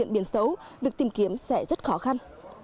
nếu tình hình thời tiết diễn biến xấu việc tìm kiếm sẽ rất khó khăn